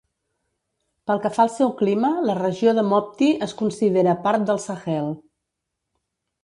Pel que fa al seu clima, la regió de Mopti es considera part del Sahel.